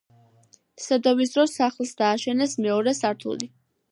სედოვის დროს სახლს დააშენეს მეორე სართული.